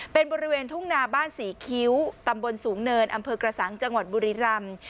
เป็นบริเวณทุ่งนาบ้านศรีคิ้วตำบลสูงเนินอำเภอกระสังจังหวัดบุรีรำ